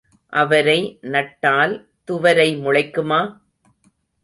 அவரை நட்டால் துவரை முளைக்குமா?